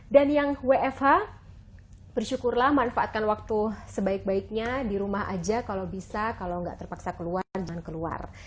dan yang wfh bersyukurlah manfaatkan waktu sebaik baiknya di rumah aja kalau bisa kalau nggak terpaksa keluar jangan keluar